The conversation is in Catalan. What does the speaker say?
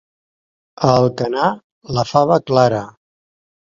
A Alcanar, la fava clara.